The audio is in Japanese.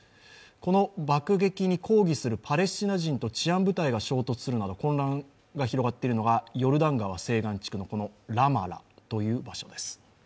この爆撃に抗議するパレスチナ人と治安部隊が衝突するなど混乱が広がっているのがヨルダン川西岸地区のラマラという場所です。